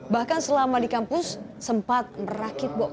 bahkan selama di kampus sempat merakit bom